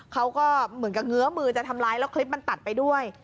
เขาก็เหมือนกับเงื้อมือจะทำร้ายแล้วคลิปมันตัดไปด้วย